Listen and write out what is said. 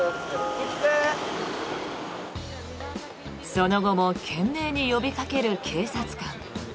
その後も懸命に呼びかける警察官。